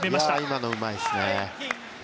今のうまいですね。